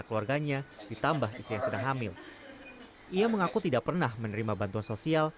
keluarganya ditambah istri yang sudah hamil ia mengaku tidak pernah menerima bantuan sosial